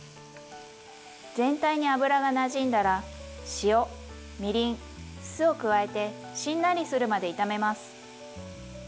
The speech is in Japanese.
全体に油がなじんだら塩みりん酢を加えてしんなりするまで炒めます。